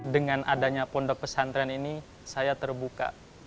dengan adanya pondok pesantren ini saya terbuka